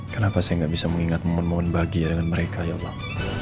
kenapa saya gak bisa mengingat mohon mohon bahagia dengan mereka ya allah